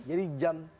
jadi jam dua tiga puluh